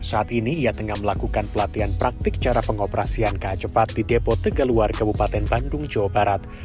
saat ini ia tengah melakukan pelatihan praktik cara pengoperasian ka cepat di depo tegaluar kabupaten bandung jawa barat